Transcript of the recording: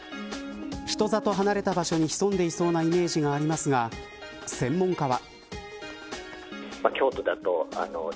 人里離れた場所に潜んでいそうなイメージがありますが専門家は。